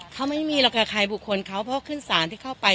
เขาไม่มีหรอกค่ะใครบุคคลเขาเพราะขึ้นสารที่เข้าไป